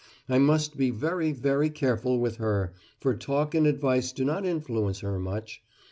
I must be very, very careful with her, for talk and advice do not influence her much.